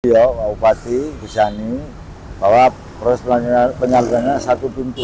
bapak upati bishani bahwa proses penyelidikannya satu pintu